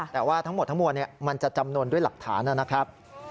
แต่ว่าทั้งหมดทั้งมวลมันจะจำนวนด้วยหลักฐานนะครับ